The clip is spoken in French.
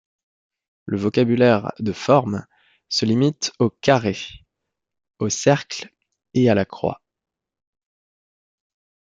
Le vocabulaire de formes se limite au carré, au cercle et à la croix.